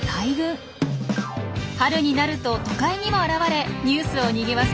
春になると都会にも現れニュースをにぎわせます。